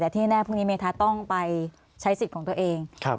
แต่ที่แน่พรุ่งนี้เมทัศน์ต้องไปใช้สิทธิ์ของตัวเอง